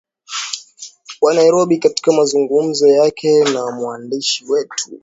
wa nairobi katika mazungumzo yake na mwandishi wetu